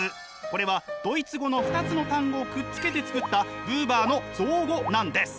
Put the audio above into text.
これはドイツ語の２つの単語をくっつけて造ったブーバーの造語なんです。